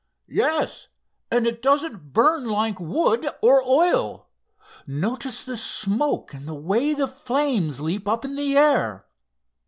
"Yes, and it doesn't burn like wood or oil. Notice the smoke and the way the flames leap up in the air?